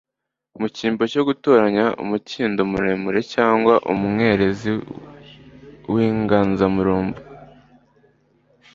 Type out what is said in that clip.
Mu cyimbo cyo gutoranya amukindo muremure cyangwa umwerezi w'inganzamarumbo